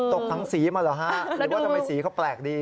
ตกทั้งสีมาเหรอฮะหรือว่าทำไมสีเขาแปลกดี